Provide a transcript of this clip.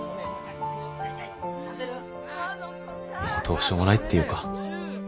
もうどうしようもないっていうか。